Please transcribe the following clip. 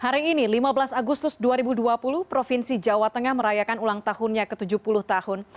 hari ini lima belas agustus dua ribu dua puluh provinsi jawa tengah merayakan ulang tahunnya ke tujuh puluh tahun